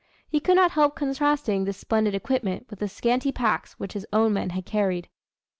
He could not help contrasting this splendid equipment with the scanty packs which his own men had carried.